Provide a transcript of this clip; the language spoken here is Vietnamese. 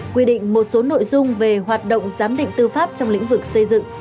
quy định một số nội dung về hoạt động giám định tư pháp trong lĩnh vực xây dựng